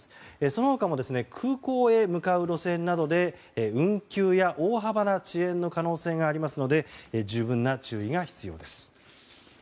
その他も空港へ向かう路線などで運休や、大幅な遅延の可能性がありますので十分な注意が必要です。